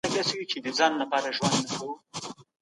جرګه د افغانانو هغه ویاړ دی چي په مېړانه او صداقت ولاړ دی.